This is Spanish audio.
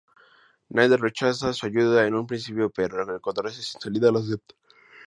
Nate rechaza su ayuda en un principio pero, al encontrarse sin salida, la acepta.